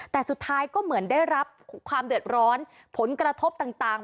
แต่สุดท้ายก็เหมือนได้รับความเดือดร้อนผลกระทบต่าง